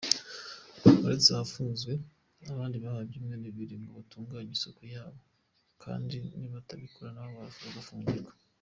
Uretse ahafunzwe, abandi bahawe ibyumweru bibiri ngo batunganye isuku yabo kandi nibatabikora nabo bagafungirwa.